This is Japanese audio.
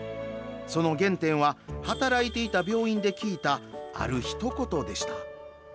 その原点は働いていた病院で聞いたあるひと言でした。